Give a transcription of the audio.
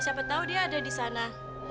siapa tahu dia ada di sana